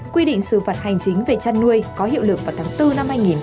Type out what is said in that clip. quy định sự phạt hành chính về chăn nuôi có hiệu lực vào tháng bốn hai nghìn hai mươi một